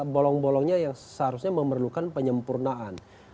bolong bolongnya yang seharusnya memerlukan penyempurnaan